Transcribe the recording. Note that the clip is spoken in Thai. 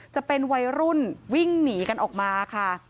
จะเป็นวัยรุ่นวิ่งหนีกันออกมาค่ะ